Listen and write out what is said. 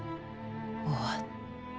終わった。